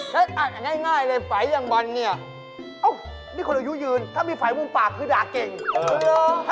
ถ้ายืนมากไม่เหนื่อยเหรอคะ